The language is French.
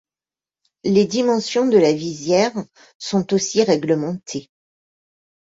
Les dimensions de la visière sont aussi réglementées.